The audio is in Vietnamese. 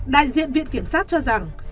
đại diện viện kiểm sát cho rằng